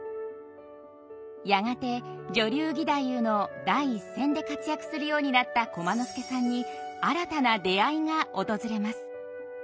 やがて女流義太夫の第一線で活躍するようになった駒之助さんに新たな出会いが訪れます。